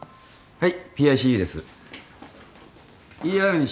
はい。